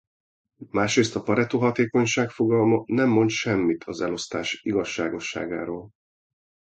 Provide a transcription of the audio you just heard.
Másrészt a Pareto-hatékonyság fogalma nem mond semmit az elosztás igazságosságáról.